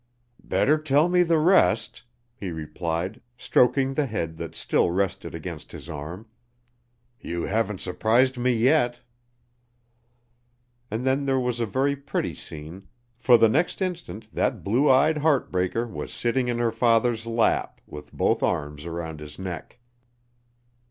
"Better tell me the rest," he replied, stroking the head that still rested against his arm. "You haven't surprised me yet." And then there was a very pretty scene, for the next instant that blue eyed heart breaker was sitting in her father's lap, with both arms around his neck.